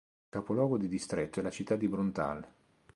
Il capoluogo di distretto è la città di Bruntál.